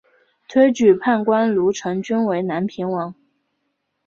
推举判官卢成均为南平王。